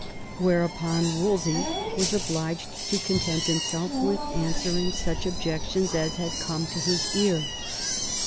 Whereupon Wolsey was obliged to content himself with answering such objections as had come to his ear.